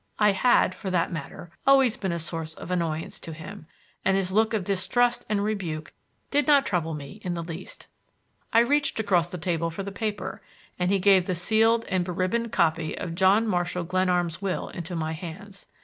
I had, for that matter, always been a source of annoyance to him, and his look of distrust and rebuke did not trouble me in the least. I reached across the table for the paper, and he gave the sealed and beribboned copy of John Marshall Glenarm's will into my hands.